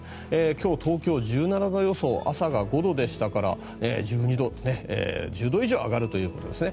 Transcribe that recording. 今日、東京が１７度予想朝が５度でしたから、１２度１０度以上上がるということですね。